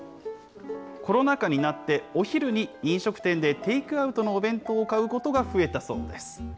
コロナ禍になって、お昼に飲食店でテイクアウトのお弁当を買うことが増えたそうです。